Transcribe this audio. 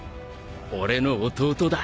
俺の弟だ。